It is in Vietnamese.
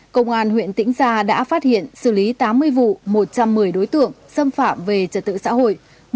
công an huyện tĩnh gia đã phát hiện xử lý tám mươi vụ một trăm một mươi đối tượng xâm phạm về trật tự xã hội